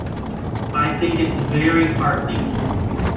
I think it's very heartening.